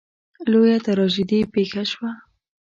لویه تراژیدي پېښه شوه.